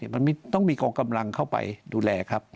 มันต้องมีกรกำลังเข้าไปดูแล